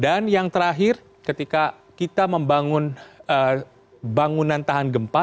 dan yang terakhir ketika kita membangun bangunan tahan gempa